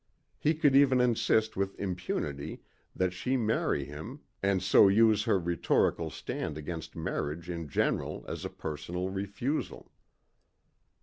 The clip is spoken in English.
He could even insist with impunity that she marry him and so use her rhetorical stand against marriage in general as a personal refusal.